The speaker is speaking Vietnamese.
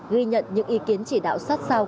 ghi nhận những ý kiến chỉ đạo sát sao